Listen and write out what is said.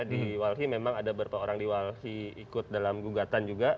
di walhi memang ada beberapa orang di walhi ikut dalam gugatan juga